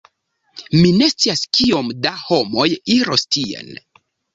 Mi ne scias kiom da homoj iros tien